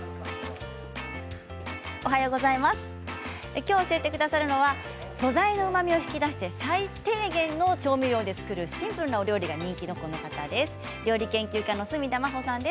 きょう教えてくださるのは素材のうまみを引き出して最低限の調味料で作るシンプルなお料理が人気のこの方料理研究家の角田真秀さんです。